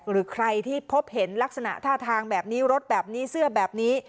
หรือใครที่พบเห็นลักษณะท่าทางแบบนี้รถแบบนี้เสื้อแบบนี้